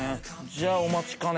じゃあお待ちかね！